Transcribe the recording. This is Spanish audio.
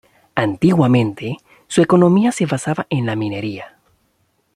Antiguamente, su economía se basaba en la minería.